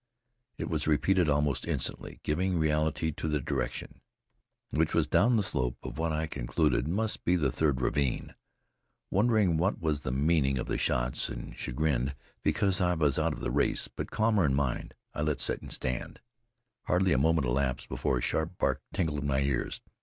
It was repeated almost instantly, giving reality to the direction, which was down the slope of what I concluded must be the third ravine. Wondering what was the meaning of the shots, and chagrined because I was out of the race, but calmer in mind, I let Satan stand. Hardly a moment elapsed before a sharp bark tingled in my ears.